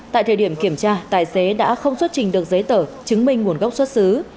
tại thời điểm kiểm tra tài xế đã không xuất trình được giấy tờ chứng minh nguồn gốc xuất xứ